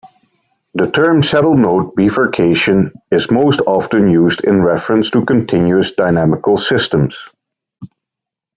The term 'saddle-node bifurcation' is most often used in reference to continuous dynamical systems.